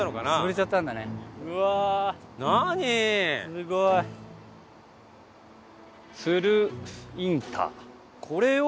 すごい。これを。